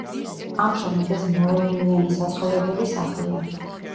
ამჟამად ეს მრავალბინიანი საცხოვრებელი სახლია.